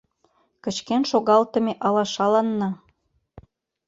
Кычкен шогалтыме алашаланна